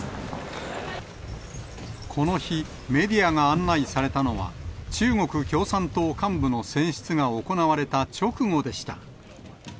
この日、メディアが案内されたのは、中国共産党幹部の選出が行われた直後でした。